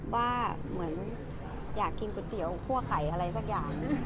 ว่าเหมือนอยากกินก๋วยเตี๋ยวคั่วไข่อะไรสักอย่าง